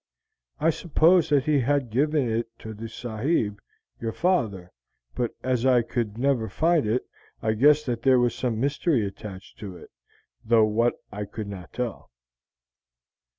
I suppose that he had given it to the sahib, your father, but as I could never find it I guessed that there was some mystery attached to it, though what I could not tell.